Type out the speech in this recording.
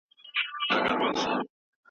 خاطرې زموږ په ژوند کي اغېز لري.